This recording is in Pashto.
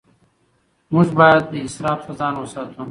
موږ باید له اسراف څخه ځان وساتو.